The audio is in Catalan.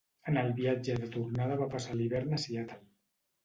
En el viatge de tornada va passar l'hivern a Seattle.